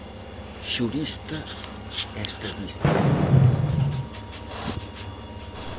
Xurista e estadista.